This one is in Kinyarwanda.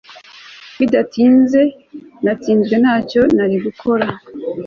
Bidatinze natsinzwe ntacyo nari nakora